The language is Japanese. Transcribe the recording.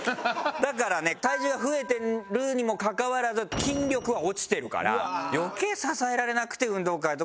だからね体重が増えてるにもかかわらず筋力は落ちてるから余計支えられなくて。